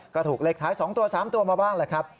ก็ถูกเล็กท้าย๒๓ตัวมาบ้างละครับ